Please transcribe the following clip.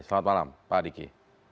selamat malam pak diki